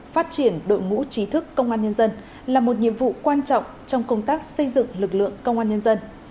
phát triển đội ngũ trí thức công an nhân dân là một nhiệm vụ quan trọng trong công tác xây dựng lực lượng công an nhân dân